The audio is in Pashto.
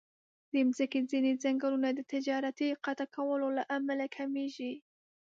د مځکې ځینې ځنګلونه د تجارتي قطع کولو له امله کمېږي.